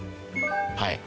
はい。